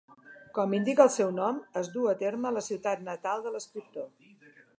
Com indica el seu nom, es duu a terme a la ciutat natal de l'escriptor.